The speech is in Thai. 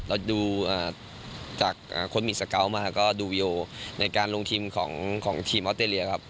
เราดูจากคนมีสเกาะมาก็ดูวิโอในการลงทีมของทีมออสเตรเลียครับ